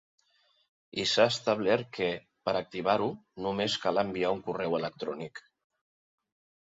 I s’ha establert que per activar-ho només cal enviar un correu electrònic.